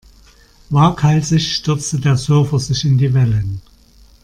Waghalsig stürzte der Surfer sich in die Wellen.